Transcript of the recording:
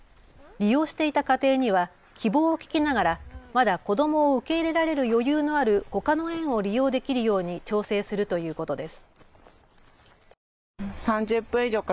利用していた家庭には希望を聞きながら、まだ子どもを受け入れられる余裕のあるほかの園を利用できるように調整するということです。